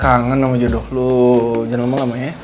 karena kangen sama jodoh lo jangan lama lama ya